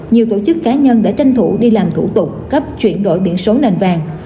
nhiều tổ chức cá nhân đã tranh thủ đi làm thủ tục cấp chuyển đổi biển số nền vàng